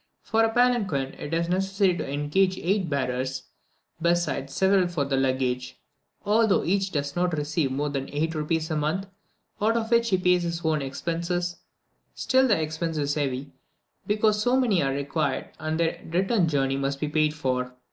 For a palanquin, it is necessary to engage eight bearers, besides several for the luggage. Although each does not receive more than eight rupees a month, out of which he pays his own expenses; still the expense is heavy, because so many are required, and their return journey must be paid for.